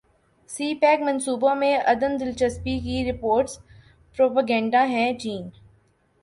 سی pack منصوبوں میں عدم دلچسپی کی رپورٹس پروپیگنڈا ہیں چین